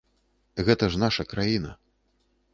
Гэта ж наша краіна.